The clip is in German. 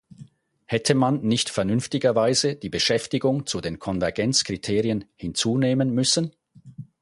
Hätte man nicht vernünftigerweise die Beschäftigung zu den Konvergenzkriterien hinzunehmen müssen?